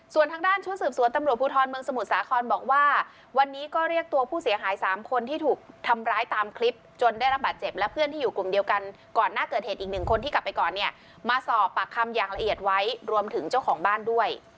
ส่วนทางด้านชุดสืบสวนตำรวจภูทรเมืองสมุทรสาครบอกว่าวันนี้ก็เรียกตัวผู้เสียหาย๓คนที่ถูกทำร้ายตามคลิปจนได้รับบาดเจ็บและเพื่อนที่อยู่กลุ่มเดียวกันก่อนหน้าเกิดเหตุอีกหนึ่งคนที่กลับไปก่อนเนี่ยมาสอบปากคำอย่างละเอียดไว้รวมถึงเจ้าของบ้านด้วย